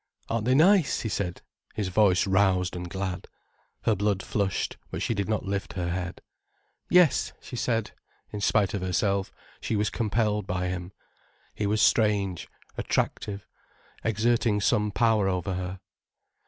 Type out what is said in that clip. "Aren't they nice?" he said, his voice roused and glad. Her blood flushed, but she did not lift her head. "Yes," she said. In spite of herself, she was compelled by him. He was strange, attractive, exerting some power over her.